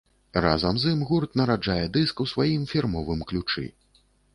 Разам з ім гурт нараджае дыск у сваім фірмовым ключы.